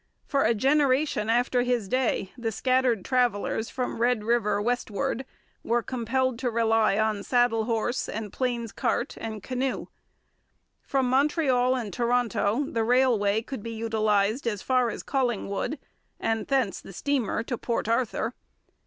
For a generation after his day the scattered travellers from Red River westward were compelled to rely on saddle horse and plains cart and canoe. From Montreal and Toronto the railway could be utilized as far as Collingwood, and thence the steamer to Port Arthur.